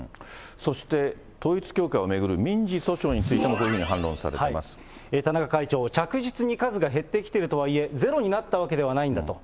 そして統一教会を巡る民事訴訟についてもこういうふうに反論田中会長、着実に数が減ってきているとはいえ、０になったわけではないんだと。